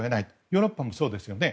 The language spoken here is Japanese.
ヨーロッパもそうですよね。